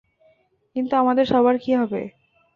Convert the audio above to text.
কিন্তু আমাদের সবার কী হবে?